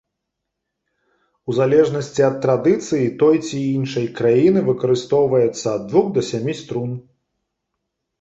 У залежнасці ад традыцыі той ці іншай краіны выкарыстоўваецца ад двух да сямі струн.